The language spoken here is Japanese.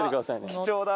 貴重だ。